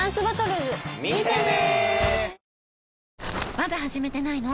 まだ始めてないの？